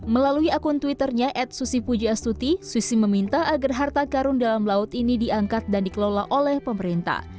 melalui akun twitternya at susi pujiastuti susi meminta agar harta karun dalam laut ini diangkat dan dikelola oleh pemerintah